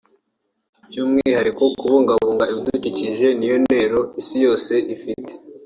By’umwihariko kubungabunga ibidukikije niyo ntero Isi yose ifite